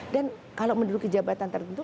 dan kalau menurut kejabatan tertentu